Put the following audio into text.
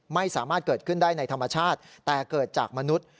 ไม่สามารถเกิดขึ้นได้ในธรรมชาติแต่เกิดจากมนุษย์